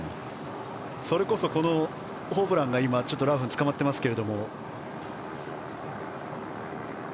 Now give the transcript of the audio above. それこそホブランが今、ラフにつかまってますが。